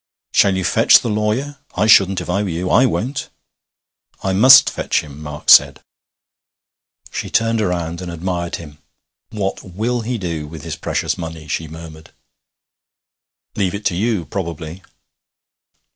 'Shall you fetch the lawyer? I shouldn't if I were you. I won't.' 'I must fetch him,' Mark said. She turned round and admired him. 'What will he do with his precious money?' she murmured. 'Leave it to you, probably.'